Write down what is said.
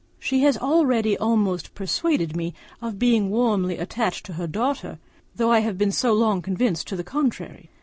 She has already almost persuaded me of her being warmly attached to her daughter, though I have been so long convinced to the contrary.